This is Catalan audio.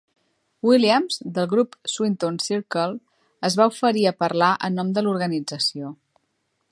Williams, del grup Swinton Circle, es va oferir a parlar en nom de l'organització.